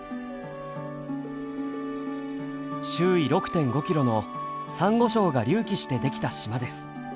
周囲６．５キロのさんご礁が隆起してできた島です。